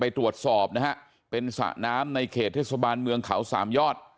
ตรวจสอบนะฮะเป็นสระน้ำในเขตเทศบาลเมืองเขาสามยอด